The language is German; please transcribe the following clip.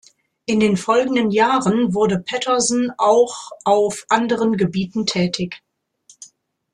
In den folgenden Jahren wurde Patterson auch auf anderen Gebieten tätig.